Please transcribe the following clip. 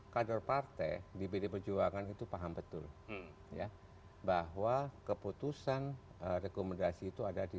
kader partai di pd perjuangan itu paham betul ya bahwa keputusan rekomendasi itu ada di